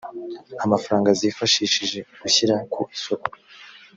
amafaranga zifashishije gushyira ku isoko